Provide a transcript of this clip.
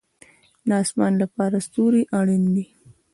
د اسمان لپاره ستوري اړین دي